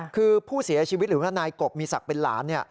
คือผู้เสียชีวิตหรือว่านายกบมีศักดิ์เป็นหลาน